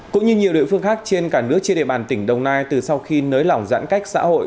cũng như nhiều địa phương khác trên cả nước trên địa bàn tỉnh đồng nai từ sau khi nới lỏng giãn cách xã hội